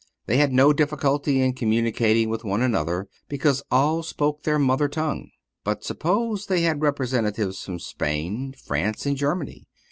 They had no difficulty in communicating with one another because all spoke their mother tongue. But suppose they had representatives from Spain, France and Germany.